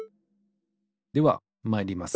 ではまいります。